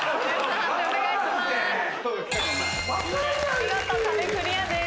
見事壁クリアです。